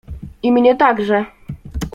I mnie także.